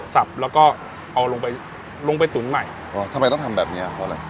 สับแล้วก็เอาลงไปลงไปตุ๋นใหม่อ๋อทำไมต้องทำแบบเนี้ยเพราะอะไร